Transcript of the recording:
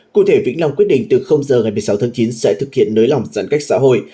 cụ thể vĩnh long quyết định từ giờ ngày một mươi sáu tháng chín sẽ thực hiện nới lỏng giãn cách xã hội